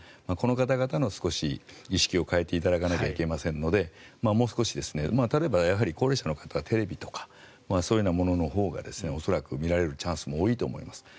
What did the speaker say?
この方々の意識を変えていただかなければいけませんのでもう少し例えば、高齢者の方はテレビとかそういうもののほうが恐らく見られるチャンスも多いと思います。